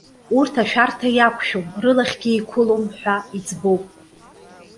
Урҭ ашәарҭа иақәшәом, рылахьгьы еиқәылом,- ҳәа иӡбоуп.